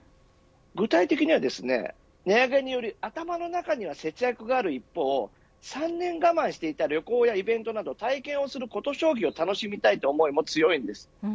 具体的には値上げにより頭の中には節約がある一方３年我慢していた旅行やイベントなど体験をするコト消費を楽しみたいという思いも強いんです。